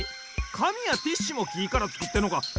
かみやティッシュもきからつくってんのか！